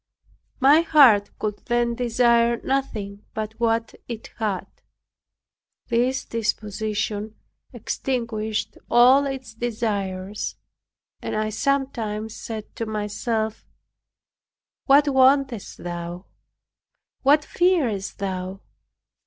My heart could then desire nothing but what it had. This disposition extinguished all its desires; and I sometimes said to myself, "What wantest thou? What fearest thou?"